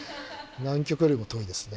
南極よりも遠いですね。